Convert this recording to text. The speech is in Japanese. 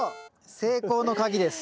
成功の鍵です。